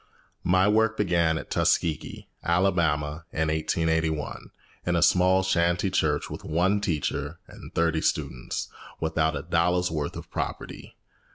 My work began at Tuskegee, Alabama, in 1881, in a small shanty church, with one teacher and thirty students, without a dollar's worth of property.